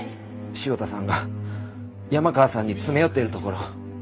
汐田さんが山川さんに詰め寄っているところを。